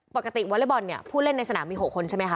ปกติวอเลอร์บอลผู้เล่นในสนามมี๖คนใช่ไหมคะ